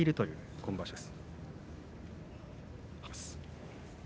今場所です。